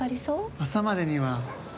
朝までには。